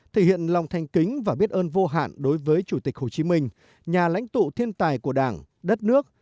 thể hiện lòng thanh kính và biết ơn vô hạn đối với chủ tịch hồ chí minh nhà lãnh tụ thiên tài của đảng đất nước